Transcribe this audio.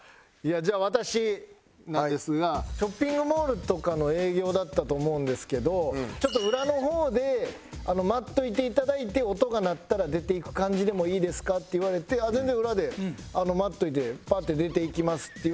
じゃあ私なんですがショッピングモールとかの営業だったと思うんですけど「ちょっと裏の方で待っといていただいて音が鳴ったら出ていく感じでもいいですか？」って言われて全然裏で待っといてパッて出ていきますって。